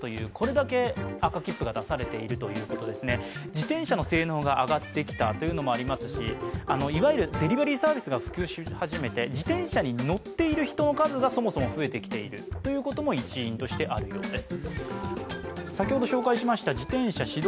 自転車の性能が上がってきたというのもありますしいわゆるデリバリーサービスが普及し始めて自転車に乗っている人の数がそもそも増えてきているということも一因としてあるようです。